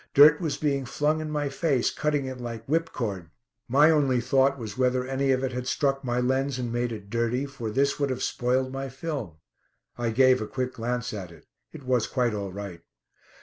Dirt was being flung in my face, cutting it like whipcord. My only thought was whether any of it had struck my lens and made it dirty, for this would have spoiled my film. I gave a quick glance at it. It was quite all right.